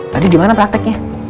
tadi gimana prakteknya